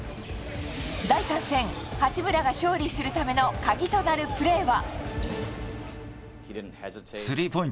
第３戦、八村が勝利するための鍵となるプレーは。